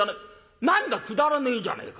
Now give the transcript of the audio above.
「くだらねえじゃねえか。